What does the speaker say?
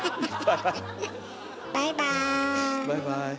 バイバーイ。